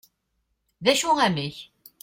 d acu amek?